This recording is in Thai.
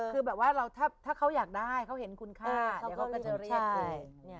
คือแบบว่าถ้าเขาอยากได้เขาเห็นคุณค่าเดี๋ยวเขาก็จะเรียกคุณ